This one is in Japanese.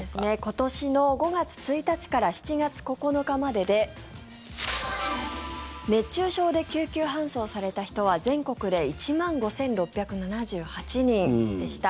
今年の５月１日から７月９日までで熱中症で救急搬送された人は全国で１万５６７８人でした。